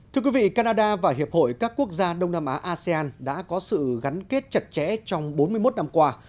thưa quý vị canada và hiệp hội các quốc gia đông nam á asean đã có sự gắn kết chặt chẽ trong bốn mươi một năm qua